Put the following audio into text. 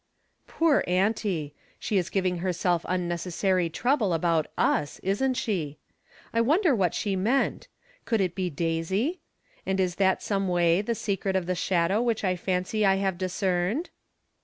Poor Auntie ! She is giving herself unneces sary trouble about us, isn't she ? I wonder what she meant; could it be Daisy? And is that some way the secret of the shadow which I fancy I have discerned